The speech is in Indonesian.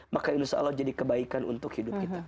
maka insya allah jadi kebaikan untuk hidup kita